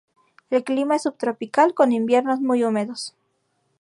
El clima es subtropical, con inviernos muy húmedos.